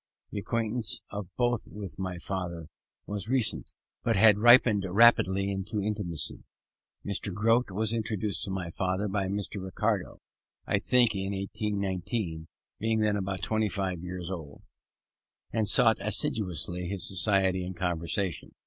The acquaintance of both with my father was recent, but had ripened rapidly into intimacy. Mr. Grote was introduced to my father by Mr. Ricardo, I think in 1819 (being then about twenty five years old), and sought assiduously his society and conversation.